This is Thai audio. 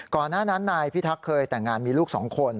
ก่อนหน้านั้นนายพิทักษ์เคยแต่งงานมีลูก๒คน